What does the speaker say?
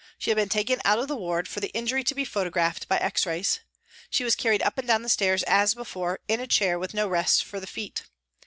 She had been taken out of the ward for the injury to be photographed by X rays. She was carried up and down the stairs, as before, in a chair with no rest for the feet.